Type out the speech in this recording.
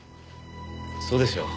そうでしょう？